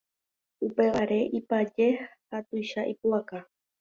upévare ipaje ha tuicha ipu'aka.